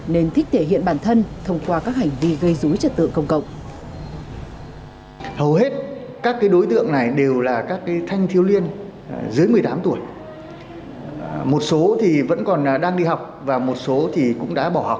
nên thích thể hiện bản thân thông qua các hành vi gây rúi trật tượng công cộng